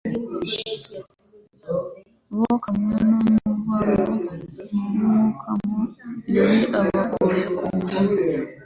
Bokamwe n'umuvumo w'umwikomo, Yuhi abakuye ku ngoma.